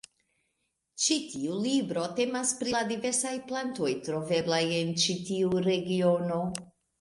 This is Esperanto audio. Ĉi tiu libro temas pri la diversaj plantoj troveblaj en ĉi tiu regiono.